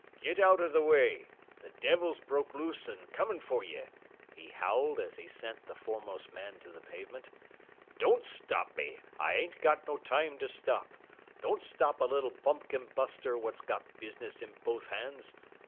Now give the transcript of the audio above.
"Git out th' way! Th' devil's broke loose an's comin' for ye," he howled as he sent the foremost man to the pavement. "Don't stop me. I ain't got no time to stop. Don't stop a little bumpkin buster what's got business in both hands.